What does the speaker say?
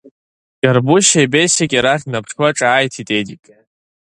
Габрушьеи Бесики рахь днаԥшуа ҿааиҭит Едик.